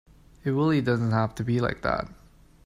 It really doesn't have to be like that